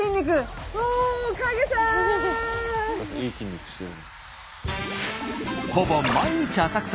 いい筋肉してる。